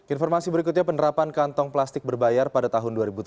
informasi berikutnya penerapan kantong plastik berbayar pada tahun dua ribu tujuh belas